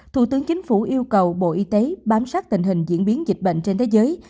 thủ tướng chính phủ yêu cầu bộ y tế bám sát tình hình diễn biến dịch bệnh trên thế giới